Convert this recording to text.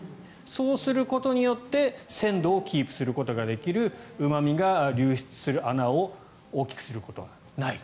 そうすることによって鮮度をキープすることができるうま味が流出する穴を大きくすることがない。